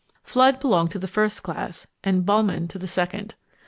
Fludd belonged to the first class, and Böhmen to the second.